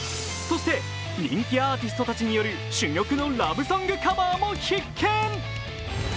そして人気アーティストたちによる珠玉のラブソングカバーも必見。